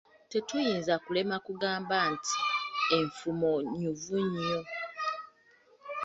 Tetuyinza kulema kugamba nti enfumo nnyuvu nnyo.